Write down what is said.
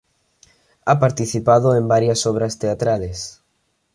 Ha participado en varias obras teatrales.